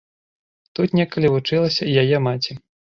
Тут некалі вучылася і яе маці.